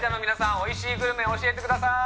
おいしいグルメ教えてください